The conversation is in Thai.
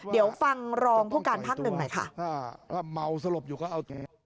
เดี๋ยวฟังรองผู้การภาคหนึ่งหน่อยค่ะ